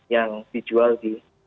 yang dijual di